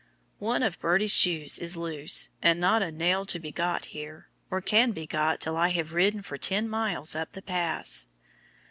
One of Birdie's shoes is loose, and not a nail is to be got here, or can be got till I have ridden for ten miles up the Pass.